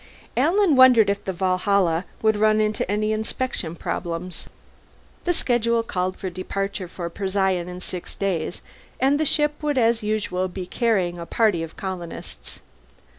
Alan wondered if the Valhalla would run into any inspection problems. The schedule called for departure for Procyon in six days, and the ship would as usual be carrying a party of colonists.